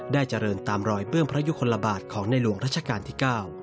เจริญตามรอยเบื้องพระยุคลบาทของในหลวงรัชกาลที่๙